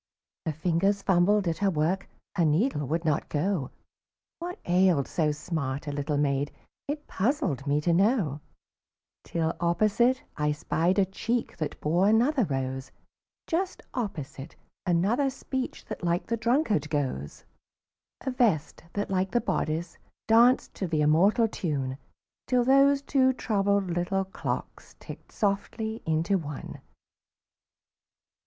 Her fingers fumbled at her work, Her needle would not go; What ailed so smart a little maid It puzzled me to know, Till opposite I spied a cheek That bore another rose; Just opposite, another speech That like the drunkard goes; A vest that, like the bodice, danced To the immortal tune, Till those two troubled little clocks Ticked softly into one.